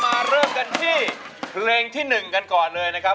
มาเริ่มกันที่เพลงที่๑กันก่อนเลยนะครับ